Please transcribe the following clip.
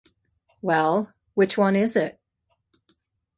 Well, which one is it?